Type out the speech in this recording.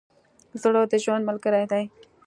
زړه د ژوند ملګری دی.